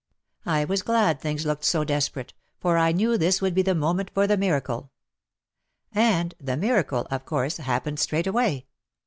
I was glad things looked so desperate, for I knew this would be the moment for the miracle. And — the miracle, of course, happened straightaway.